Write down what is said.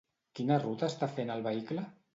Quina ruta està fent el vehicle?